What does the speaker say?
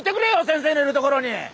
先生のいるところに。